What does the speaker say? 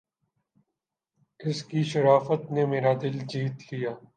اس کی شرافت نے میرا دل جیت لیا